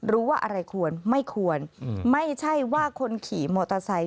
รู้ว่าอะไรควรไม่ควรไม่ใช่ว่าคนขี่มอเตอร์ไซค์